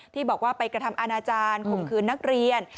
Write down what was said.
ที่บอกว่าไปกระทำอาณาจารย์ข่มขืนนักเรียน